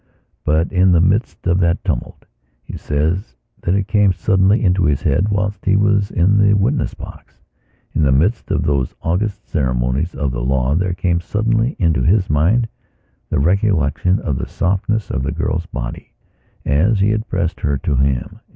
But, in the midst of that tumulthe says that it came suddenly into his head whilst he was in the witness boxin the midst of those august ceremonies of the law there came suddenly into his mind the recollection of the softness of the girl's body as he had pressed her to him.